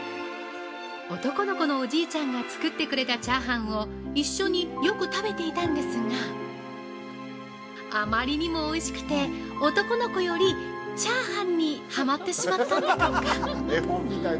男の子のおじちゃんが作ってくれたチャーハンを一緒によく食べていたんですがあまりにもおいしくて男の子よりチャーハンにハマってしまったんだとか。